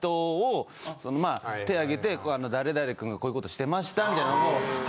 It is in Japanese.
手あげて誰誰君がこういうことしてましたみたいなのを。